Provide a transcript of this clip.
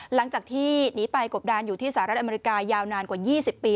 หลังจากที่หนีไปกบดานอยู่ที่สหรัฐอเมริกายาวนานกว่า๒๐ปี